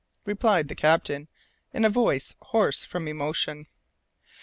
replied the captain in a voice hoarse from emotion.